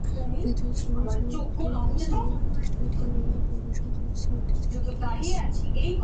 হৃদয় ঝুমুর ঝুমুর পুতুলনাচ নামের প্রতিষ্ঠানটি মেলায় পরিবেশন করছে ঐতিহ্যবাহী পুতুলনাচ।